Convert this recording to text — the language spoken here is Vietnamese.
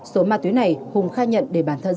số ma túy này hùng khai nhận để bản thân